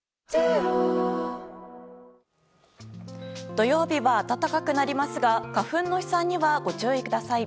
土曜日は暖かくなりますが花粉の飛散にはご注意ください。